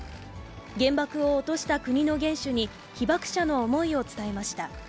原爆を落とした国の元首に被爆者の思いを伝えました。